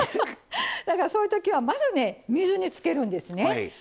だからそういう時はまずね水につけるんですね。